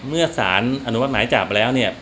เมื่อสารอนุมัติหมายจับแล้วเนี่ย